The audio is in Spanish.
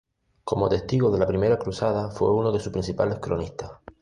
Como testigo de la Primera Cruzada, fue uno de sus principales cronistas.